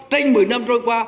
tranh mười năm trôi qua